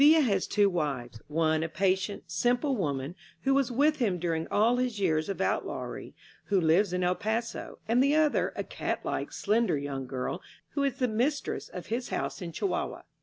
A has two wives, one a patient, simple woman who was with him during all his years of out lawry, who lives in El Paso, and the other a cat like, slender young girl, who is the mistress of his 130 THE HUMAN SffiE house in Chihuahua.